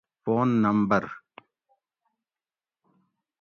فون نمبر